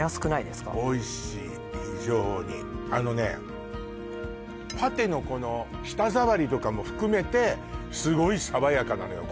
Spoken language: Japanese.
あのねパテのこの舌触りとかも含めてすごい爽やかなのよ